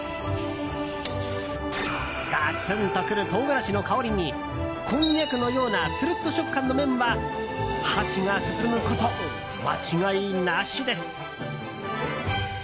ガツンとくる唐辛子の香りにこんにゃくのようなつるっと食感の麺は箸が進むこと間違いなしです。